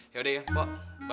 yaudah ya pak mak mak